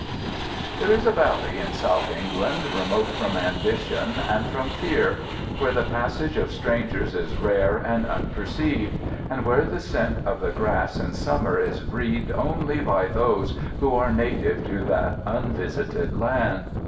There is a valley in South England remote from ambition and from fear, where the passage of strangers is rare and unperceived, and where the scent of the grass in summer is breathed only by those who are native to that unvisited land.